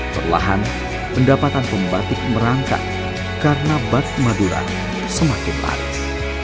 perlahan pendapatan pembatik merangkak karena batik madura semakin laris